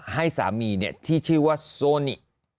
ให้สามีที่ชื่อว่าโซนิ